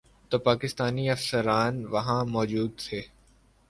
تو پاکستانی افسران وہاں موجود تھے۔